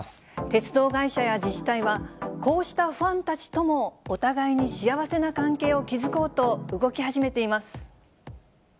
鉄道会社や自治体は、こうしたファンたちともお互いに幸せな関係を築こうと、動き始めています。